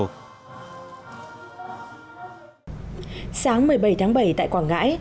sáng một mươi bảy tháng bảy tại quảng ngãi